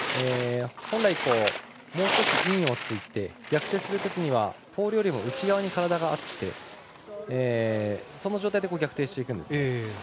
本来、もう１つ、インをついて逆手するときにはポールより内側に体があってその状態で逆手していくんですね。